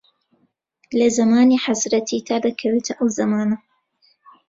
لە زەمانی حەزرەتی تا دەکەوێتە ئەو زەمانە